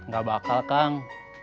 gak bakal kang